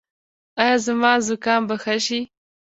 ایا زما زکام به ښه شي؟